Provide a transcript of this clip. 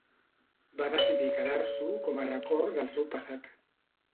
Va decidir quedar-s'ho com a record del seu passat.